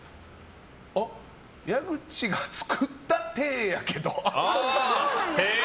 矢口が作ったていやけど。